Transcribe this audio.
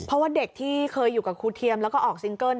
เพราะว่าเด็กที่เคยอยู่กับครูเทียมแล้วก็ออกซิงเกิ้ล